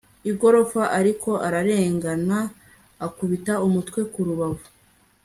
igorofa ariko ararengana, akubita umutwe ku rubavu